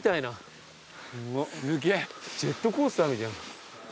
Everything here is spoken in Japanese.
すげぇジェットコースターみたい。